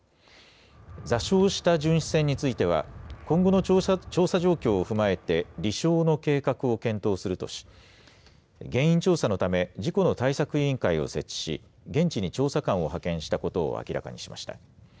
座礁した巡視船については、今後の調査状況を踏まえて、離礁の計画を検討するとし、原因調査のため、事故の対策委員会を設置し、現地に調査官を派遣したことを明らかにしました。